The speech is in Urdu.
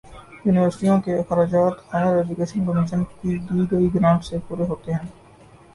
یونیورسٹیوں کے اخراجات ہائیر ایجوکیشن کمیشن کی دی گئی گرانٹ سے پورے ہوتے ہیں